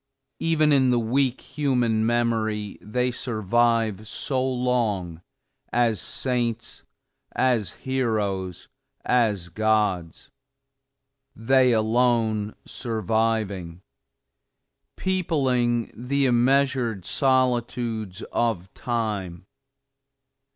Even in the weak human memory they survive so long, as saints, as heroes, as gods; they alone surviving; peopling the immeasured solitudes of Time!